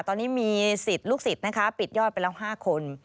ตอนนี้มีสิทธิ์ลูกศิษย์นะคะปิดยอดไปแล้ว๕คน